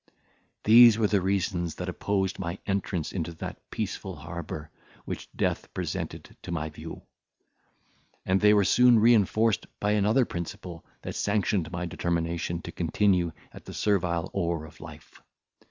These were the reasons that opposed my entrance into that peaceful harbour which death presented to my view; and they were soon reinforced by another principle that sanctioned my determination to continue at the servile oar of life.